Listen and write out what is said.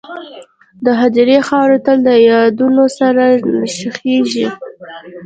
د هدیرې خاوره تل د یادونو سره ښخېږي..